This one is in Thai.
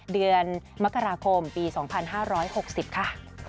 เดือนมกราคมปี๒๕๖๐ค่ะ